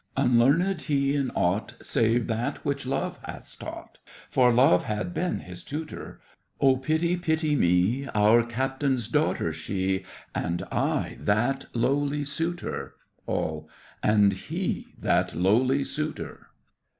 Unlearned he in aught Save that which love has taught (For love had been his tutor); Oh, pity, pity me— Our captain's daughter she, And I that lowly suitor! ALL. And he that lowly suitor!